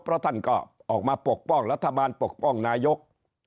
เพราะท่านก็ออกมาปกป้องรัฐบาลปกป้องนายก